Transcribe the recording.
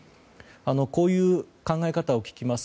こういう考え方を聞きます。